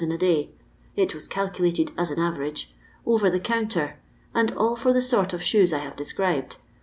in a day (it was calculated aa an average) over the counter, and all for the tort of shoes I have described.